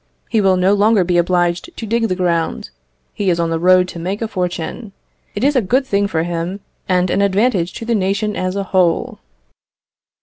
He will no longer be obliged to dig the ground; he is on the road to make a fortune. It is a good thing for him, and an advantage to the nation as a whole."